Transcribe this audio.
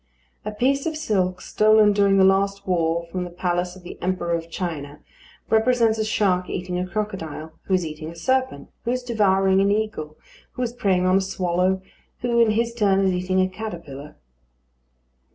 A piece of silk stolen during the last war from the palace of the Emperor of China represents a shark eating a crocodile, who is eating a serpent, who is devouring an eagle, who is preying on a swallow, who in his turn is eating a caterpillar.